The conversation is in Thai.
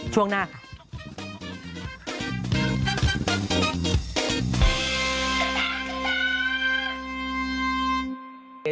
ช่วงหน้าค่ะ